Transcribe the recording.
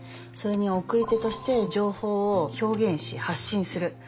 それに送り手として情報を表現し発信する。